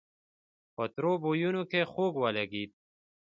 په تروو بويونو کې خوږ ولګېد.